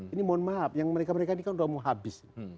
ini mohon maaf yang mereka mereka ini kan udah mau habis